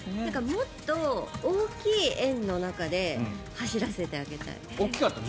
もっと大きい円の中で走らせてあげたい。